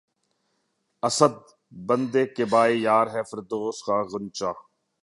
اسد! بندِ قباے یار‘ ہے فردوس کا غنچہ